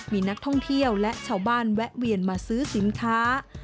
มีนักท่องเที่ยวและชาวบ้านแวะเวียนมาซื้อสินค้า